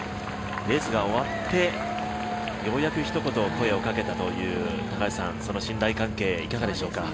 レースが終わってようやく、ひと言声をかけたというその信頼関係、いかがでしょうか。